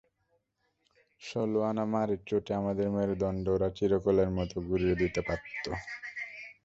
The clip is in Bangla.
ষোলো-আনা মারের চোটে আমাদের মেরুদণ্ড ওরা চিরকালের মতো গুঁড়িয়ে দিতে পারত।